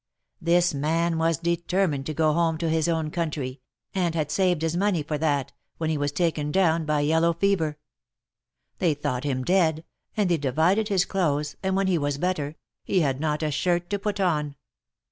This man was determined to go home to his own country, and had saved his money for that, when he was taken down by yellow fever. They thought him dead, and they divided his clothes, and when he was better, he had not a shirt to put on.